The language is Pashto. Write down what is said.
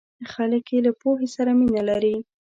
خلک یې له پوهې سره مینه لري.